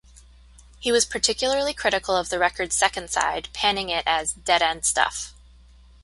He was particularly critical of the record's second side, panning it as "dead-end stuff".